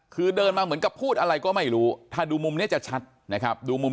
คือเดินมาเหมือนกับพูดอะไรก็ไม่รู้ถ้าดูมุมนี้จะชัดนะครับดูมุม